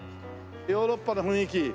ヨーロッパの雰囲気。